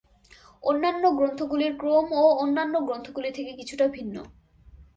অন্যান্য গ্রন্থগুলির ক্রমও অন্যান্য গ্রন্থগুলি থেকে কিছুটা ভিন্ন।